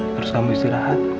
terus kamu istirahat